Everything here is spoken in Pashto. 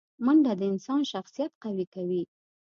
منډه د انسان شخصیت قوي کوي